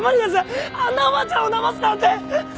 あんなおばあちゃんをだますなんて！